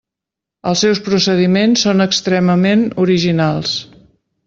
Els seus procediments són extremament originals.